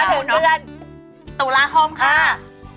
เอาหวังเราเนอะตุลาคมค่ะเออมาถึงเดือน